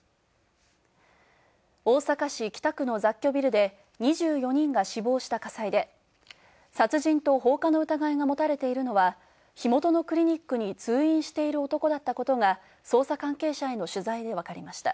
大阪市北区の雑居ビルで２４人が死亡した火災で、殺人と放火の疑いが持たれているのは火元のクリニックに通院している男だったことが捜査関係者への取材でわかりました。